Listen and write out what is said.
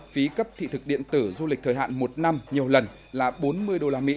phí cấp thị thực điện tử du lịch thời hạn một năm nhiều lần là bốn mươi usd